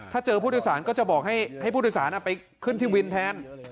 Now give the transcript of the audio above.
ถ้าเจอผู้โดยสารก็จะบอกให้ผู้โดยสารไปขึ้นที่วินแทน